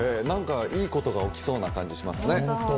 何かいいことが起きそうな感じしますね。